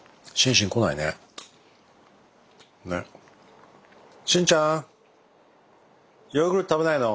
シンちゃんヨーグルト食べないの？